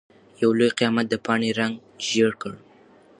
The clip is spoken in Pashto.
يو لوی قيامت د پاڼې رنګ ژېړ کړ.